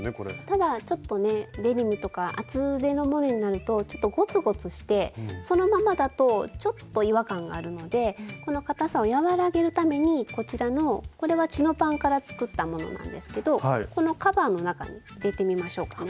ただちょっとねデニムとか厚手のものになるとちょっとゴツゴツしてそのままだとちょっと違和感があるのでこのかたさを和らげるためにこちらのこれはチノパンから作ったものなんですけどこのカバーの中に入れてみましょうかね。